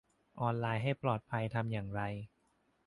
ออนไลน์ให้ปลอดภัยทำอย่างไร